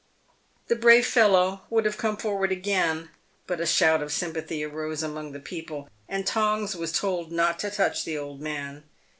The brave fellow would have come forward again, but a shout of sympathy arose among the people, and Tongs was told not to touch the old man.